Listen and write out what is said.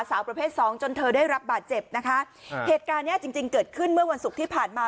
สาวประเภทสองจนเธอได้รับบาดเจ็บนะคะเหตุการณ์เนี้ยจริงจริงเกิดขึ้นเมื่อวันศุกร์ที่ผ่านมา